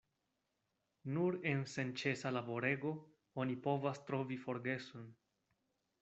Nur en senĉesa laborego oni povas trovi forgeson.